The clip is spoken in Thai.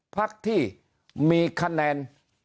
พักที่มีคะแนน